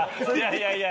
いやいや。